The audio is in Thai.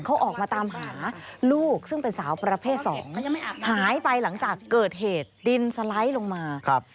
เขาออกมาตามหาลูกซึ่งเป็นสาวประเภทสองหายไปหลังจากเกิดเหตุดินสไลด์ลงมาครับ